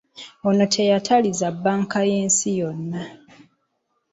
Ono teyatalizza bbanka y'ensi yonna.